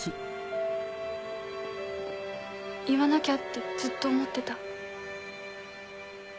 言わなきゃってずっと思ってた。